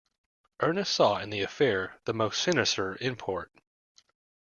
Ernest saw in the affair the most sinister import.